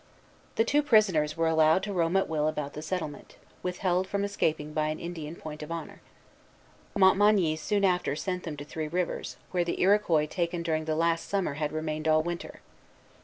The two prisoners were allowed to roam at will about the settlement, withheld from escaping by an Indian point of honor. Montmagny soon after sent them to Three Rivers, where the Iroquois taken during the last summer had remained all winter.